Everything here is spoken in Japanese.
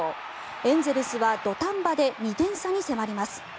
エンゼルスは土壇場で２点差に迫ります。